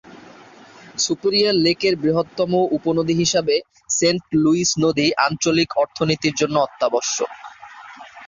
Superior লেকের বৃহত্তম উপনদী হিসাবে, সেন্ট লুইস নদী আঞ্চলিক অর্থনীতির জন্য অত্যাবশ্যক।